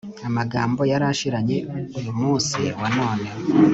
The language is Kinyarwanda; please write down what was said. amagambo aranshiranye uyumunsi wanone